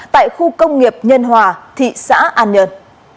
tại khu công nghiệp nhân hòa thị xã an nhơn